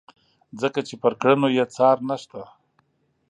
ځکه چې پر کړنو یې څار نشته.